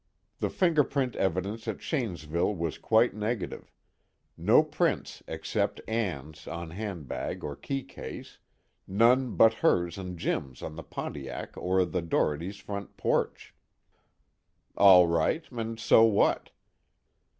The fingerprint evidence at Shanesville was quite negative: no prints except Ann's on handbag or key case, none but hers and Jim's on the Pontiac or the Dohertys' front porch. All right and so what?